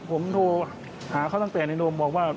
ผมโทรหาเขาตั้งแต่ในโดมบอกว่า